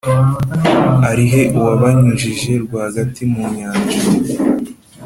ari he uwabanyujije rwagati mu nyanja,